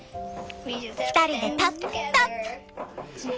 ２人でタップタップ。